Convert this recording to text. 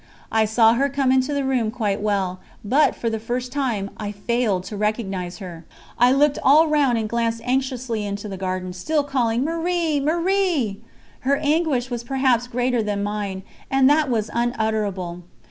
I saw her come into the room quite well, but, for the first time, I failed to recognise her. I looked all round and glanced anxiously into the garden, still calling: "Marie! Marie!" Her anguish was perhaps greater than mine, and that was unutterable.